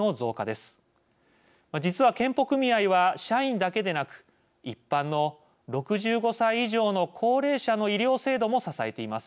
実は健保組合は社員だけでなく一般の６５歳以上の高齢者の医療制度も支えています。